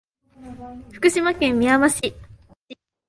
福岡県みやま市